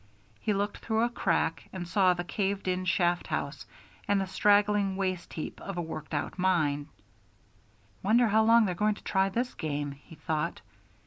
He looked through a crack and saw the caved in shaft house and the straggling waste heap of a worked out mine. "Wonder how long they're going to try this game," he thought.